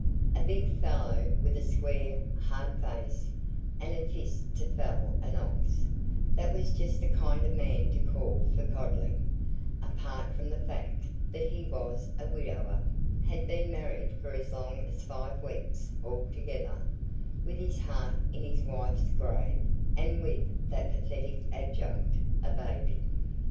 A big fellow, with a square, hard face, and a fist to fell an ox that was just the kind of man to call for coddling, apart from the fact that he was a widower had been married for as long as five weeks altogether with his heart in his wife's grave, and with that pathetic adjunct, a baby.